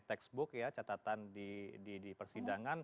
textbook ya catatan di persidangan